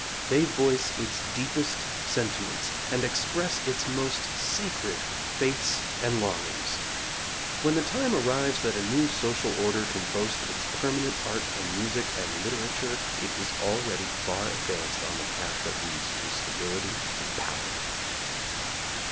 They voice its deepest sentiments and express its most sacred faiths and longings. When the time arrives that a new social order can boast its permanent art and music and literature, it is already far advanced on the path that leads to stability and power.